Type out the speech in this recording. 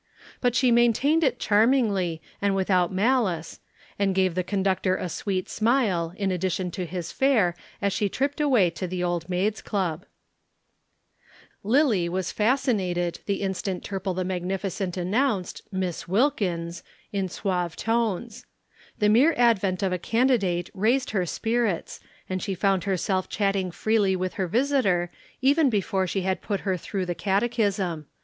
But she maintained it charmingly and without malice and gave the conductor a sweet smile in addition to his fare as she tripped away to the Old Maids' Club. [Illustration: Amicably said, "Stop please."] Lillie was fascinated the instant Turple the magnificent announced "Miss Wilkins" in suave tones. The mere advent of a candidate raised her spirits and she found herself chatting freely with her visitor even before she had put her through the catechism.